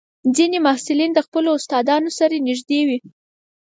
ځینې محصلین د خپلو استادانو سره نږدې وي.